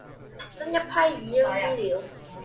新一批語音資料